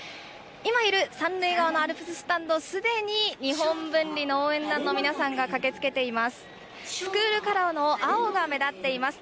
今いる３塁側のアルプススタンド、すでに日本文理の応援団の皆さんが駆けつけています。